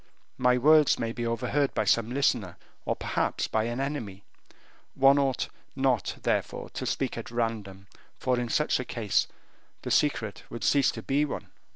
My words may be overheard by some listener, or perhaps by an enemy; one ought not, therefore, to speak at random, for, in such a case, the secret would cease to be one."